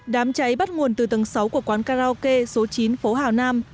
đám cháy bắt nguồn từ tầng sáu của quán karaoke số chín phố hào nam